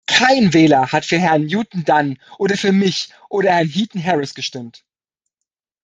Kein Wähler hat für Herrn Newton Dunn oder für mich oder Herrn Heaton-Harris gestimmt.